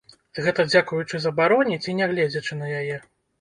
Гэта дзякуючы забароне ці нягледзячы на яе?